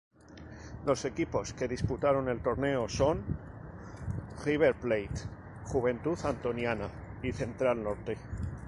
Los equipos que disputaron el torneo son: River Plate, Juventud Antoniana y Central Norte.